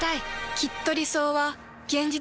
きっと理想は現実になる。